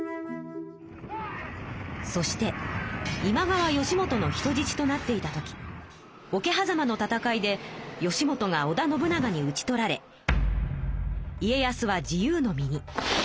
そして今川義元の人じちとなっていた時桶狭間の戦いで義元が織田信長にうち取られ家康は自由の身に。